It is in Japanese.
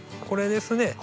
これですね